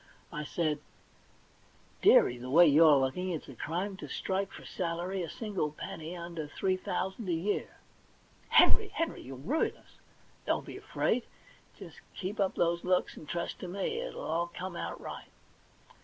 I said :* Dearie, the way you're looking it's a crime to strike for a salary a single penny under three thousand a year.' * Henry, Henr}^ you'll ruin us !'* Don't you be afraid. Just keep up those looks, and trust to me. It'll all come out right.'